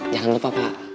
jangan lupa pak